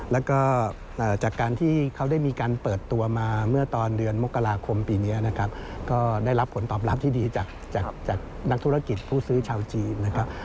แล้วก็จากการที่เขาได้มีการเปิดตัวมาเมื่อตอนเดือนมกราคมปีนี้นะครับก็ได้รับผลตอบรับที่ดีจากนักธุรกิจผู้ซื้อชาวจีนนะครับ